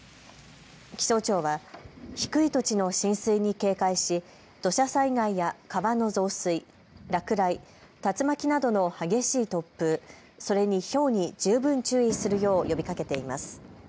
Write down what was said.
気象庁は低い土地の浸水に警戒し土砂災害や川の増水、落雷、竜巻などの激しい突風、それにひょうに十分注意するよう呼びかけています。